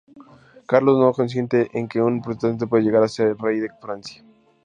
Carlos no consiente en que un protestante pueda llegara a ser rey de Francia.